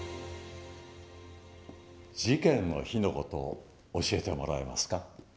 事件の日の事を教えてもらえますか？